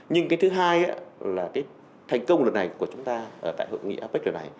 nhưng cái thứ hai là cái thành công lần này của chúng ta tại hội nghị apec lần này